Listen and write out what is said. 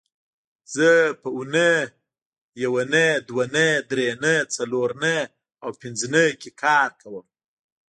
زه په اونۍ یونۍ دونۍ درېنۍ څلورنۍ او پبنځنۍ کې کار کوم